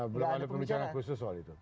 belum ada pembicaraan khusus soal itu